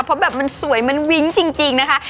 เพราะแบบมันสวยมันวิ้งจริงนะคะ